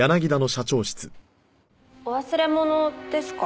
お忘れ物ですか？